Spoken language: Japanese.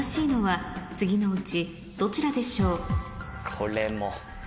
これも。